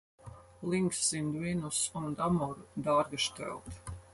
Links sind Venus und Amor dargestellt.